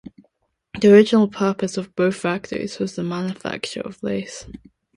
The original purpose of both factories was the manufacture of lace.